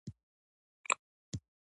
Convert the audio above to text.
که مبارزه وکړو نو ظلم له منځه وړو.